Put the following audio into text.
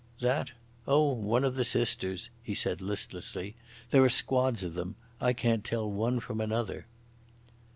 "That? Oh, one of the sisters," he said listlessly. "There are squads of them. I can't tell one from another."